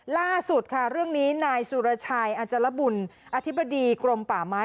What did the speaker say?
ล่าสุดค่ะเรื่องนี้นายสุรชัยอาจารบุญอธิบดีกรมป่าไม้